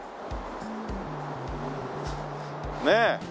ねえ。